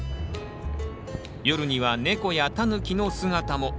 夜にはネコやタヌキの姿も。